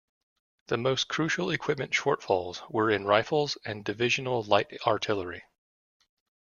The most crucial equipment shortfalls were in rifles and divisional light artillery.